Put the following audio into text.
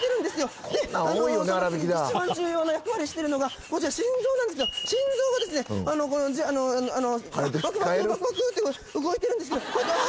その時に一番重要な役割してるのがこちら心臓なんですけど心臓がですねバクバクバクバクって動いてるんですけどあー！